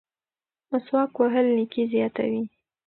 مسواک وهل نیکي زیاتوي.